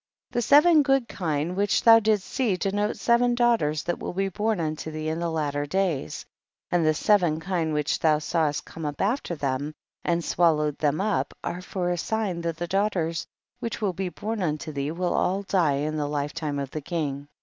9. The seven good kine wiiich thou didst see denote seven daughters that will be born unto thee in the latter days, and the seven kine which thou sawest come up after them, and swallowed them up, are for a sign that the daughters which will be born unto thee will all die in the life time of the king.